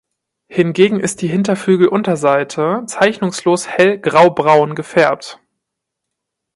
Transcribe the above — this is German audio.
Hingegen ist die Hinterflügelunterseite zeichnungslos hell graubraun gefärbt.